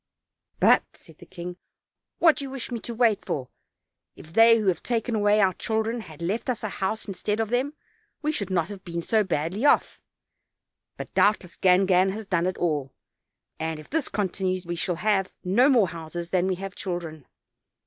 "But," said the king, "what do you wish me to wait for? If they who have taken away our children had left us a house instead of them, we should not have been so badly off; but doubtless Gangan has done it all; and, if this continue, we shall have no more houses than we have children."